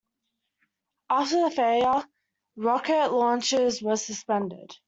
After the failure, Rockot launches were suspended.